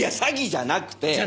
じゃなくて。